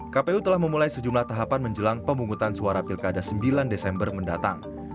kpu telah memulai sejumlah tahapan menjelang pemungutan suara pilkada sembilan desember mendatang